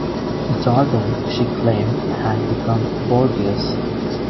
Jordan, she claimed, had become bourgeois.